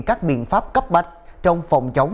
các biện pháp cấp bạch trong phòng chống